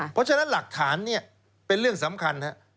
เพราะฉะนั้นหลักฐานเป็นเรื่องสำคัญ